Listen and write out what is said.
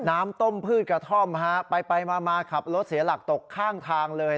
น้ำต้มพืชกระท่อมฮะไปมาขับรถเสียหลักตกข้างทางเลย